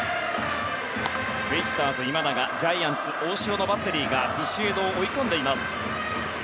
ベイスターズの今永とジャイアンツの大城というバッテリーがビシエドを追い込んでいます。